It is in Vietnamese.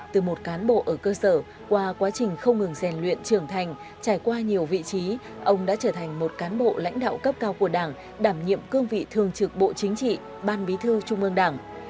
từ một cán bộ ở cơ sở qua quá trình không ngừng rèn luyện trưởng thành trải qua nhiều vị trí ông đã trở thành một cán bộ lãnh đạo cấp cao của đảng đảm nhiệm cương vị thường trực bộ chính trị ban bí thư trung ương đảng